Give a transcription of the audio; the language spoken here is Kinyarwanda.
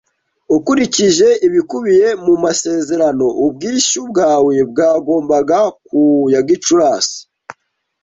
Ukurikije ibikubiye mu masezerano, ubwishyu bwawe bwagombaga ku ya Gicurasi.